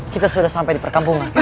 kita sudah sampai di perkampungan